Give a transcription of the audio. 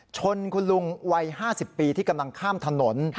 ชนคุณลุงวัย๕๐ปีที่กำลังข้ามถนน